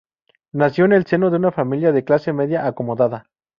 Nació en el seno de una familia de clase media acomodada.